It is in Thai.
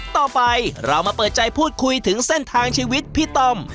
ต่อไปเรามาเปิดใจพูดคุยถึงเส้นทางชีวิตพี่ต้อม